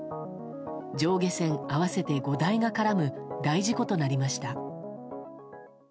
上下線合わせて５台が絡む大事故となりました。